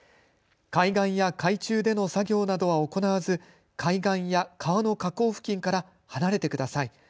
海岸や海中での作業などは行わず、海岸や川の河口付近から離れてください。